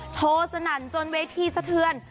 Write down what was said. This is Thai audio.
สนั่นจนเวทีสะเทือน